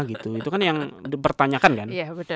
itu kan yang dipertanyakan kan